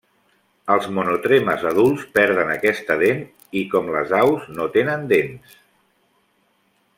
Els monotremes adults perden aquesta dent i, com les aus, no tenen dents.